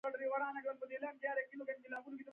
تولید باید وخت ته سم وي.